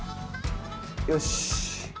よし。